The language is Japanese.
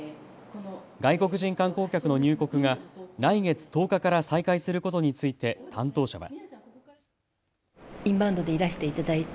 外国人観光客の入国が来月１０日から再開することについて担当者は。